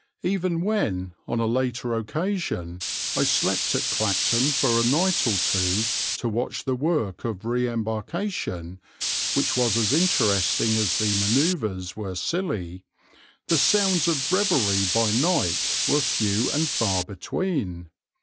Even when, on a later occasion, I slept at Clacton for a night or two to watch the work of re embarkation, which was as interesting as the manoeuvres were silly, the sounds of revelry by night were few and far between.